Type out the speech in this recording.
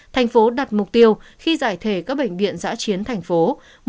tp hcm đặt mục tiêu khi giải thể các bệnh viện giã chiến tp hcm